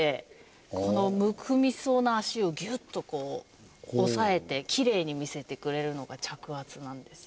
このむくみそうな足をギュッとこう押さえてキレイに見せてくれるのが着圧なんですよ。